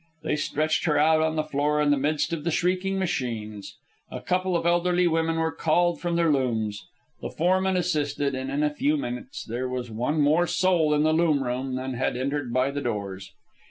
They stretched her out on the floor in the midst of the shrieking machines. A couple of elderly women were called from their looms. The foreman assisted. And in a few minutes there was one more soul in the loom room than had entered by the doors.